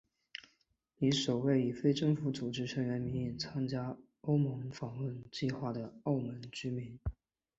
为首位以非政府组织成员名义参加欧盟访问计划的澳门居民。